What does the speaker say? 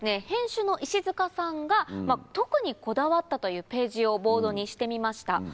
編集の石塚さんが特にこだわったというページをボードにしてみました。